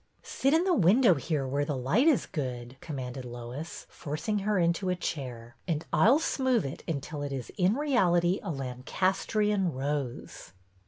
Sit in the window here where the light is good," commanded Lois, forcing her into a chair, and I 'll smooth it until it is in reality a Lan castrian rose."